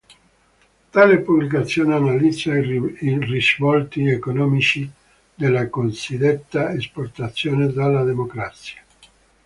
Tale pubblicazione analizza i risvolti economici della cosiddetta esportazione della democrazia.